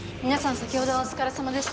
先ほどはお疲れさまでした。